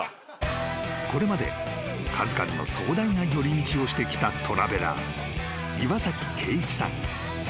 ［これまで数々の壮大な寄り道をしてきたトラベラー岩崎圭一さん］